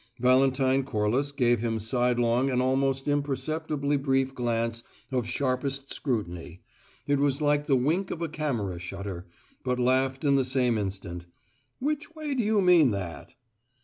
Valentine Corliss gave him sidelong an almost imperceptibly brief glance of sharpest scrutiny it was like the wink of a camera shutter but laughed in the same instant. "Which way do you mean that?"